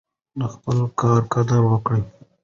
د خپل کار قدر وکړئ.